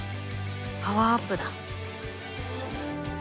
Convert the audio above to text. パワーアップだ。